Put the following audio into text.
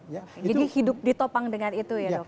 jadi hidup ditopang dengan itu ya dok ya